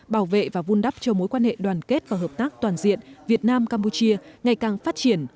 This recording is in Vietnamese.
bảo vệ và vun đắp cho mối quan hệ đoàn kết và hợp tác toàn diện việt nam campuchia ngày càng phát triển